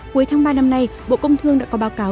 cuối tháng ba năm nay bộ công thương đã có báo cáo